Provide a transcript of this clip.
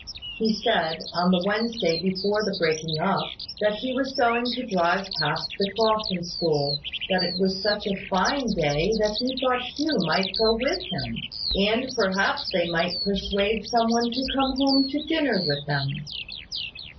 He said, on the Wednesday before the breaking up, that he was going to drive past the Crofton school; that it was such a fine day that he thought Hugh might go with him, and perhaps they might persuade some one to come home to dinner with them.